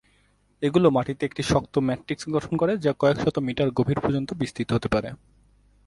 এগুলো মাটিতে একটি শক্ত ম্যাট্রিক্স গঠন করে, যা কয়েকশত মিটার গভীর পর্যন্ত বিস্তৃত হতে পারে।